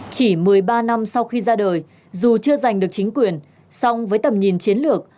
chỉ một mươi ba năm sau khi ra đời dù chưa giành được chính quyền song với tầm nhìn chiến lược